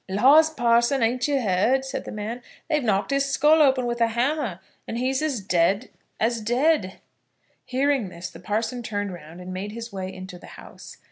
"Laws, parson, ain't ye heard?" said the man. "They've knocked his skull open with a hammer, and he's as dead as dead." Hearing this, the parson turned round, and made his way into the house.